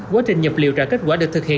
quá trình nhập liệu trả kết quả được thực hiện